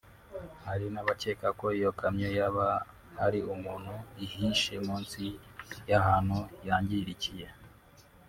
Hari n’abakeka ko iyo kamyo yaba hari umuntu ihishe munsi y’ahantu yangirikiye